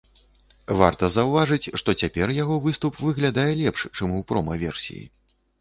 Варта заўважыць, што цяпер яго выступ выглядае лепш, чым у прома-версіі.